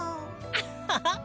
アッハハ！